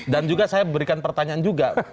dan juga saya memberikan pertanyaan juga